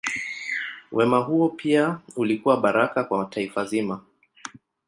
Wema huo pia ulikuwa baraka kwa taifa zima.